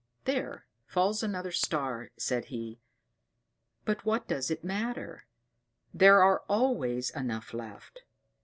"There falls another star," said he: "but what does it matter; there are always enough left.